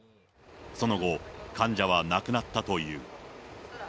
その後、患者は亡くなったという。